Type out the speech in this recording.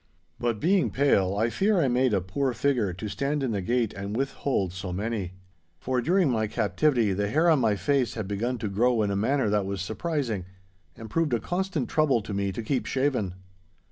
But, being pale, I fear I made a poor figure to stand in the gate and withhold so many. For during my captivity the hair on my face had begun to grow in a manner that was surprising, and proved a constant trouble to me to keep shaven.